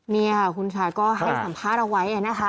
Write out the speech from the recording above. นี่ค่ะคุณค่ะก็ให้สัมภาษณ์เอาไว้นะคะ